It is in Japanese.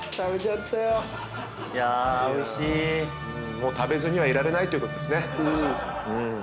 もう食べずにはいられないということですね。